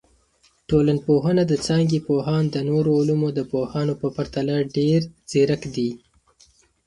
ټولنپوهنه د څانګي پوهان د نورو علومو د پوهانو په پرتله ډیر ځیرک دي.